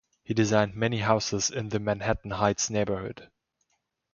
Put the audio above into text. He designed many houses in the Manhattan Heights neighborhood.